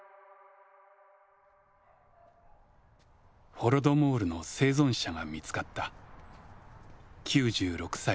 ホロドモールの生存者が見つかった。